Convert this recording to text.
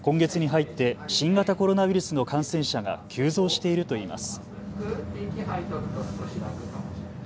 今月に入って新型コロナウイルスの感染者が急増しているといいます。